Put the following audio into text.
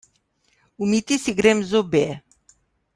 Umiti si grem zobe.